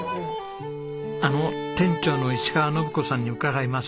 あの店長の石川修子さんに伺います。